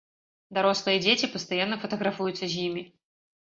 Дарослыя і дзеці пастаянна фатаграфуюцца з імі.